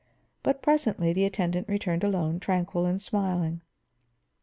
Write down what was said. But presently the attendant returned alone, tranquil and smiling.